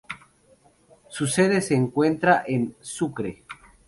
Su sede se encuentra en Sucre.